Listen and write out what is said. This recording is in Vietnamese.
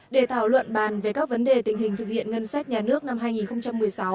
để thảo luận bàn về các vấn đề tình hình thực hiện ngân sách nhà nước năm hai nghìn một mươi sáu